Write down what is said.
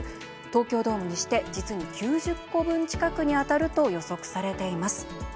東京ドームにして実に９０個分近くに当たると予測されています。